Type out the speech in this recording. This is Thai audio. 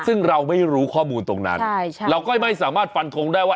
ซึ่งเราไม่รู้ข้อมูลตรงนั้นเราก็ไม่สามารถฟันทงได้ว่า